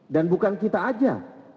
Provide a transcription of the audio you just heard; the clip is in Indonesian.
dan bukan kita aja